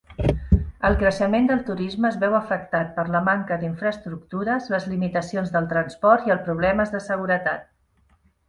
El creixement del turisme es veu afectat per la manca d'infraestructures, les limitacions del transport i el problemes de seguretat.